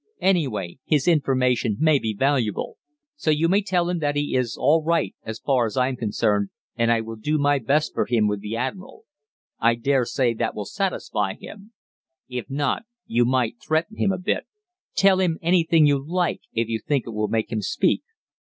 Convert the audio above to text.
Anyway, his information may be valuable, and so you may tell him that he is all right as far as I'm concerned, and I will do my best for him with the Admiral. I daresay that will satisfy him. If not, you might threaten him a bit. Tell him anything you like if you think it will make him speak.'